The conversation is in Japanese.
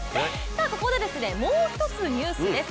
ここでもう一つニュースです。